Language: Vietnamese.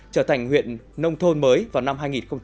trở thành huyện nông thôn mới vào năm hai nghìn hai mươi